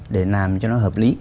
để làm cho nó hợp lý